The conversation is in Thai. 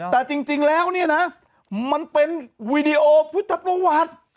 แต่จริงแล้วเนี่ยนะมันเป็นวีดีโอพุทธประวัติ